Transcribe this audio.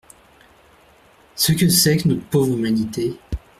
Ce que c’est que notre pauvre humanité !